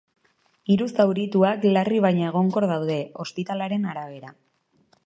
Hiru zaurituak larri baina egonkor daude, ospitalearen arabera.